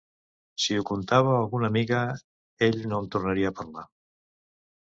Si ho contava a alguna amiga, ell no em tornaria a parlar.